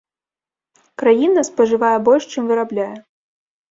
Краіна спажывае больш, чым вырабляе.